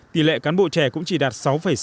tỷ lệ cán bộ trẻ cũng chỉ đạt sáu sáu mươi bảy